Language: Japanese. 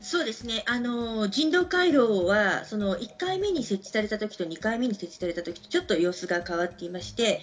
人道回廊は１回目に設置された時と２回目に設置された時と様子が変わっています。